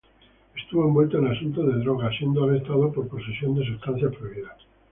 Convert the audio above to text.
Estuvo envuelto en asuntos de drogas, siendo arrestado por posesión de sustancias prohibidas.